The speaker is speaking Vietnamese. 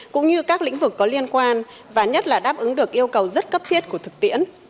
cũng như các lĩnh vực có liên quan và nhất là đáp ứng được yêu cầu rất cấp thiết của thực tiễn